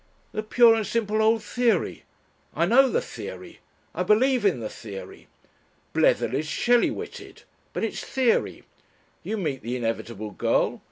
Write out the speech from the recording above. "The pure and simple old theory. I know the theory. I believe in the theory. Bletherley's Shelley witted. But it's theory. You meet the inevitable girl.